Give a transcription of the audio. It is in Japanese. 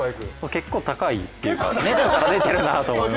結構高いというか、ネットから出てるなーと思います。